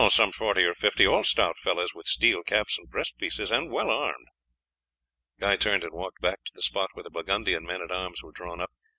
"Some forty or fifty, all stout fellows with steel caps and breast pieces, and well armed." Guy turned and walked back to the spot where the Burgundian men at arms were drawn up.